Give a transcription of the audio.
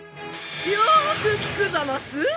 よーく聞くざます！